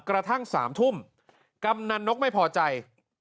กระทั่ง๓ทุ่มกำนันนกไม่พอใจ